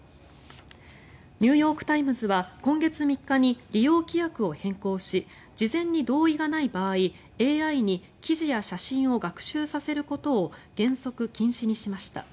ニューヨーク・タイムズは今月３日に利用規約を変更し事前に同意がない場合ＡＩに記事や写真を学習させることを原則禁止にしました。